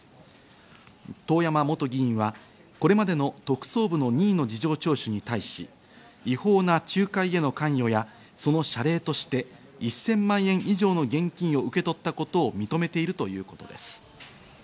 遠山元議員はこれまでの特捜部の任意の事情聴取に対し、違法な仲介への関与やその謝礼として、１０００万円以上の現金を受け取ったことを認めているということです。